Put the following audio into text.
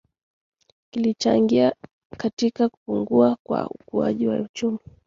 kilichangia katika kupungua kwa ukuaji wa uchumi